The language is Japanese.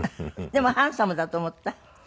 でもハンサムだと思った？